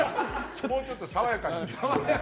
もうちょっと爽やかに。